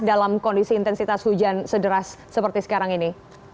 dalam kondisi intensitas hujan sederas seperti sekarang ini